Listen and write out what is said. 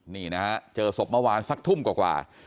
นี่นะฮะเจอศพเมื่อวานสักทุ่มกว่า